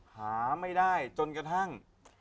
หาไม่ได้จนกระทั่ง